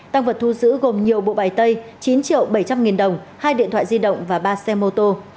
tăng vật thu giữ gồm nhiều bộ bài tay chín triệu bảy trăm linh nghìn đồng hai điện thoại di động và ba xe mô tô